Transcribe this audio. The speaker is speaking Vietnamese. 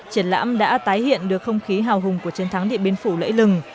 triển lãm đã tái hiện được không khí hào hùng của chiến thắng điện biên phủ lễ lừng